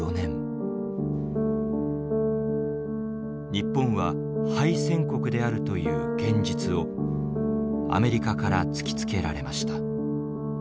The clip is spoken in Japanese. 日本は敗戦国であるという現実をアメリカから突きつけられました。